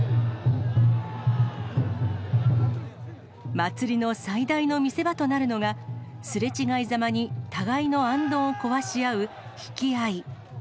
祭りの最大の見せ場となるのが、すれ違いざまに互いのあんどんを壊し合う、引き合い。